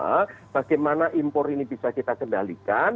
bagi kita bersama bagaimana impor ini bisa kita kendalikan